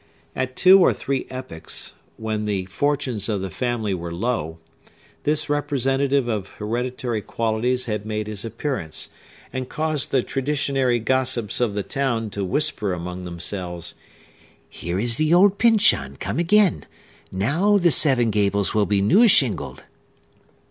At two or three epochs, when the fortunes of the family were low, this representative of hereditary qualities had made his appearance, and caused the traditionary gossips of the town to whisper among themselves, "Here is the old Pyncheon come again! Now the Seven Gables will be new shingled!"